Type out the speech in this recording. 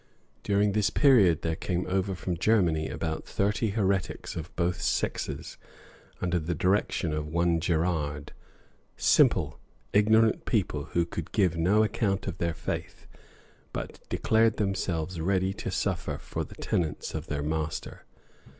During this period there came over from Germany about thirty heretics of both sexes, under the direction of one Gerard, simple, ignorant people, who could give no account of their faith, but declared themselves ready to suffer for the tenets of their master.